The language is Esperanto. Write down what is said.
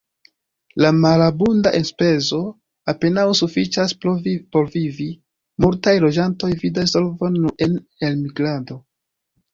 La malabunda enspezo apenaŭ sufiĉas por vivi, multaj loĝantoj vidas solvon nur en elmigrado.